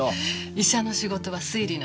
「医者の仕事は推理の仕事」。